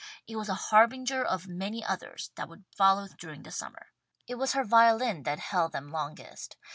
It was the harbinger of many others that would follow during the summer. It was her violin that held them longest.